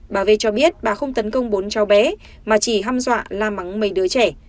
bà v cho biết bà không tấn công bốn cháu bé mà chỉ hâm dọa la mắng mình mấy đứa trẻ